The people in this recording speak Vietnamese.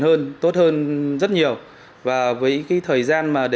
hơn tốt hơn rất nhiều và với hi ladies thời gian mà để chế tác ra một sản phẩm trên khuôn đất